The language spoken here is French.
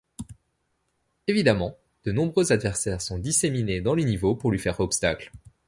Évidemment, de nombreux adversaires sont disséminés dans le niveau pour lui faire obstacle.